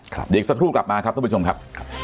เดี๋ยวอีกสักครู่กลับมาครับท่านผู้ชมครับ